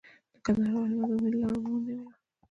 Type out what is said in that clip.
د کندهار او هلمند عمومي لار مو ونیوله.